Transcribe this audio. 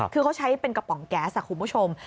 คือเขาใช้เป็นกระป๋องแก๊สคุณผู้ชม